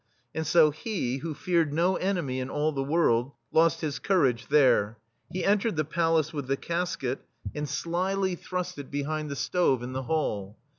And so he, who feared no enemy in all the world, lost his courage there. He entered the palace with the casket, and slily thrust THE STEEL FLEA it behind the stove in the hall.